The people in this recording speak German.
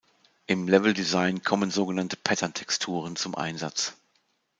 Im Leveldesign kommen sogenannte Pattern-Texturen zum Einsatz.